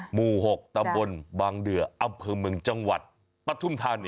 หมู่๖ตำบลบางเดืออำเภอเมืองจังหวัดปฐุมธานี